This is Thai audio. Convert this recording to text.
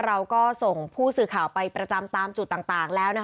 เราก็ส่งผู้สื่อข่าวไปประจำตามจุดต่างแล้ว